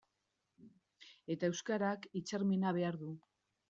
Eta euskarak hitzarmena behar du.